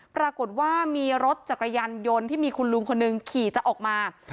ปรากฏว่ามีรถจักรยานยนต์ที่มีคุณลุงคนหนึ่งขี่จะออกมา